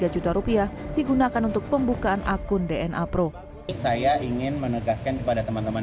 satu ratus enam puluh sembilan tiga juta rupiah digunakan untuk pembukaan akun dna pro saya ingin menegaskan kepada teman teman